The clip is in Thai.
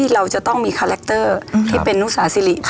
เราจะต้องมีคาแรคเตอร์ที่เป็นนุสาสิริ